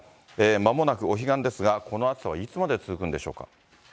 まもなくお彼岸ですが、この暑さはいつまで続くんでしょうか。